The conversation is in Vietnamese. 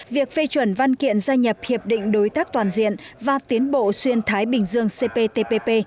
việc phê chuẩn văn kiện gia nhập hiệp định đối tác toàn diện và tiến bộ xuyên thái bình dương cptpp